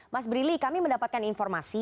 mas brili kami mendapatkan informasi